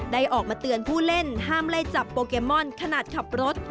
ออกมาเตือนผู้เล่นห้ามไล่จับโปเกมอนขนาดขับรถ